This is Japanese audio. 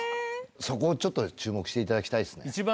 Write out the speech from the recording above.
そこをちょっと注目していただきたいですね